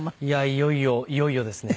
いよいよいよいよですね。